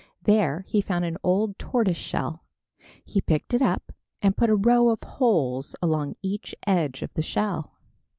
There he found an old tortoise shell. He picked it up and put a row of holes along each edge of the shell.